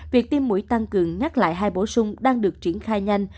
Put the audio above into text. việc tiêm mũi tăng cường nhắc lại hai bổ sung đang được triển khai nhanh